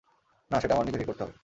না, সেটা আমার নিজেকেই করতে হবে।